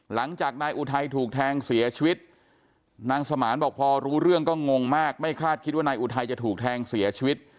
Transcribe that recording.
หลังจากนายอุทัยถูกแทงเสียชีวิตนางสมานบอกพอรู้เรื่องก็งงมากไม่คาดคิดว่านายอุทัยจะถูกแทงเสียชีวิต